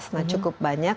nah cukup banyak